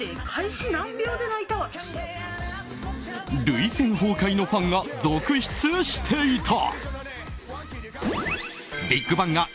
涙腺崩壊のファンが続出していた。